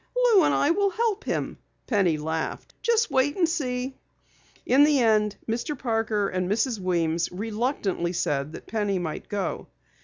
"Lou and I will help him," Penny laughed. "Just wait and see!" In the end, Mr. Parker and Mrs. Weems reluctantly said that Penny might go.